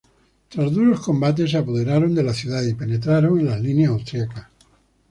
Tras duros combates, se apoderaron de la ciudad y penetraron en las líneas austriacas.